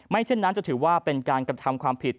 เช่นนั้นจะถือว่าเป็นการกระทำความผิด